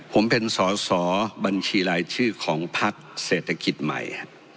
ผมเป็นสอสอบัญชีรายชื่อของพักเศรษฐกิจใหม่